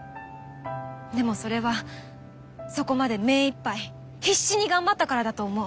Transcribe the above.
でもそれはそこまで目いっぱい必死に頑張ったからだと思う。